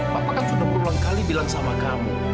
bapak kan sudah berulang kali bilang sama kamu